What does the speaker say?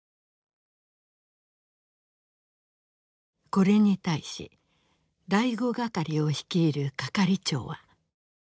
これに対し第五係を率いる係長は。